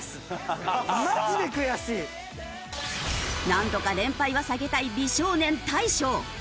なんとか連敗は避けたい美少年大昇。